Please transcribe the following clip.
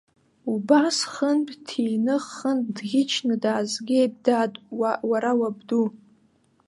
Убас хынтә дҭины, хынтә дӷьычны даазгеит, дад, уара уабду.